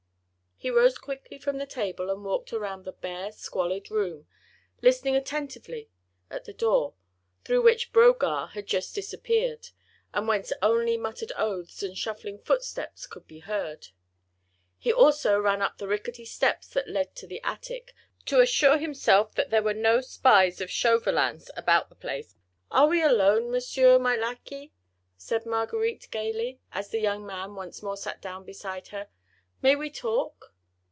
He rose quickly from the table, and walked round the bare, squalid room, listening attentively at the door, through which Brogard had just disappeared, and whence only muttered oaths and shuffling footsteps could be heard. He also ran up the rickety steps that led to the attic, to assure himself that there were no spies of Chauvelin's about the place. "Are we alone, Monsieur, my lacquey?" said Marguerite, gaily, as the young man once more sat down beside her. "May we talk?"